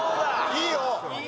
いいよ！